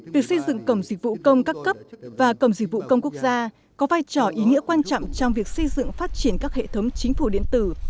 việc xây dựng cổng dịch vụ công các cấp và cổng dịch vụ công quốc gia có vai trò ý nghĩa quan trọng trong việc xây dựng phát triển các hệ thống chính phủ điện tử